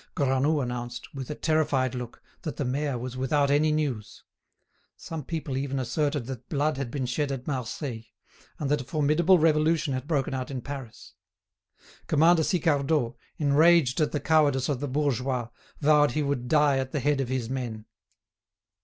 Granoux announced, with a terrified look, that the mayor was without any news. Some people even asserted that blood had been shed at Marseilles, and that a formidable revolution had broken out in Paris. Commander Sicardot, enraged at the cowardice of the bourgeois, vowed he would die at the head of his men.